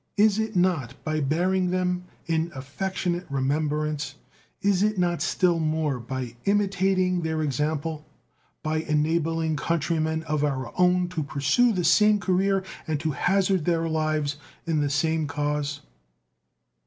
Is it not by bearing them in affectionate remembrance? Is it not still more by imitating their example by enabling country men of our own to pursue the same career and to hazard their lives in the same cause?